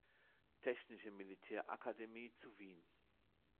Technische Militärakademie zu Wien.